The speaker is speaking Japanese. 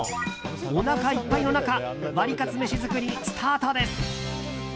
おなかいっぱいの中ワリカツめし作りスタートです。